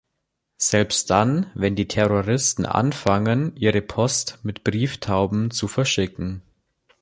Selbst dann, wenn die Terroristen anfangen, ihre Post mit Brieftauben zu verschicken.